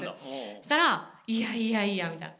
そしたら「いやいや」みたいな。